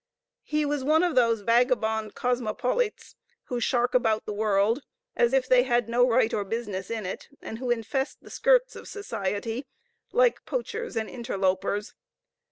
He was one of those vagabond cosmopolites who shark about the world, as if they had no right or business in it, and who infest the skirts of society like poachers and interlopers.